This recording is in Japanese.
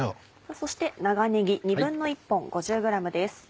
そして長ねぎ１／２本５０ｇです。